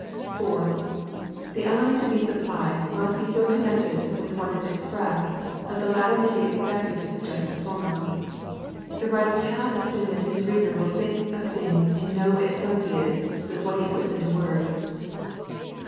2i6 GUIDE TO STUDY OF CHRISTIAN RELIGION (4) The element to be supplied must be so connected with what is expressed that the latter may be expected to suggest the former. The writer cannot assume that his reader will think of things in no way associated with what he puts into words.